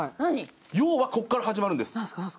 要はここから始まるんです。